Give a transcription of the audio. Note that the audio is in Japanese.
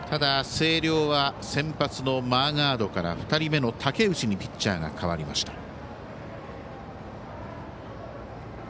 ただ、星稜は先発のマーガードから２人目の武内にピッチャーが代わりました。